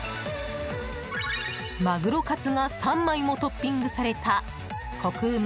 マグロカツが３枚もトッピングされたコク旨